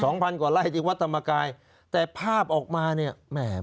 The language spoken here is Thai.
พันกว่าไร่ที่วัดธรรมกายแต่ภาพออกมาเนี่ยแหม